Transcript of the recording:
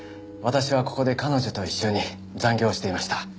私はここで彼女と一緒に残業していました。